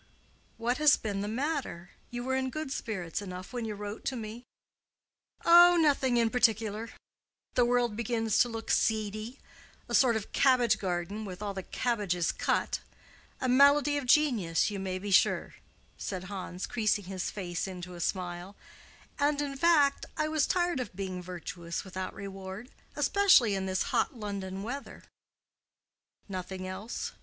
"What has been the matter? You were in good spirits enough when you wrote to me." "Oh, nothing in particular. The world began to look seedy—a sort of cabbage garden with all the cabbages cut. A malady of genius, you may be sure," said Hans, creasing his face into a smile; "and, in fact, I was tired of being virtuous without reward, especially in this hot London weather." "Nothing else?